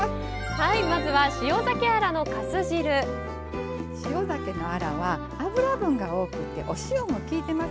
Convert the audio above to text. はいまずは塩ざけのアラは脂分が多くてお塩もきいてますよね。